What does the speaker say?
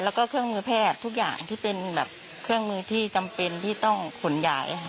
แล้วก็เครื่องมือแพทย์ทุกอย่างที่เป็นแบบเครื่องมือที่จำเป็นที่ต้องขนย้ายค่ะ